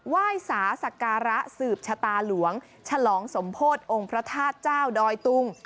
ไหว้สาศักระสืบชะตาหลวงฉลองสมโพธิองค์พระธาตุเจ้าดอยตุง